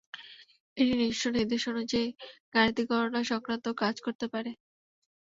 এটি নির্দষ্টি নির্দেশ অনুসরণ করে গাণিতিক গণনা সংক্রান্ত কাজ করতে পারে।